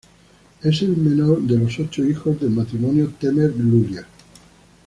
Es el menor de los ocho hijos del matrimonio Temer-Lulia.